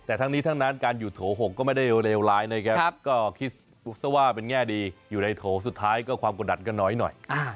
แต่ทั้งนี้ทั้งนั้นการอยู่โถ๖ก็ไม่ได้เลวร้ายนะครับก็คิดซะว่าเป็นแง่ดีอยู่ในโถสุดท้ายก็ความกดดันก็น้อยหน่อย